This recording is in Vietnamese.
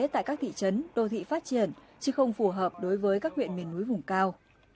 tại các thị trấn đô thị phát triển chứ không phù hợp đối với các huyện miền núi vùng cao